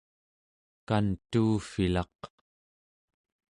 kantuuvvilaq